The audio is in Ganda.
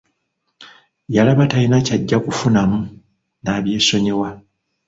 Yalaba talina kyajja kufunamu n'abyesonyiwa.